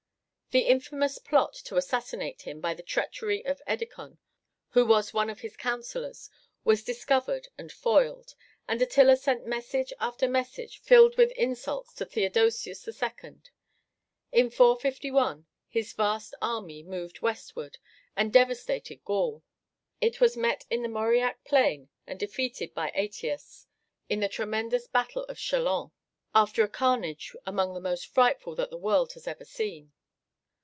The infamous plot to assassinate him by the treachery of Edecon, who was one of his counsellors, was discovered and foiled, and Attila sent message after message filled with insults to Theodosius II. In 451 his vast army moved westward, and devastated Gaul. It was met in the Mauriac plain and defeated by Ætius in the tremendous battle of Chalons, after a carnage among the most frightful that the world has ever seen.